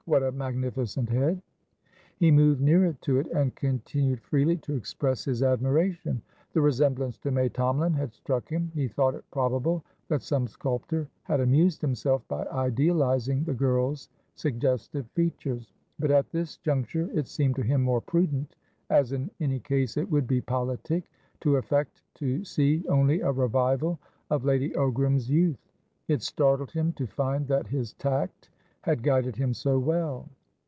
What a magnificent head!" He moved nearer to it, and continued freely to express his admiration. The resemblance to May Tomalin had struck him, he thought it probable that some sculptor had amused himself by idealising the girl's suggestive features; but at this juncture it seemed to him more prudent, as in any case it would be politic, to affect to see only a revival of Lady Ogram's youth. It startled him to find that his tact had guided him so well.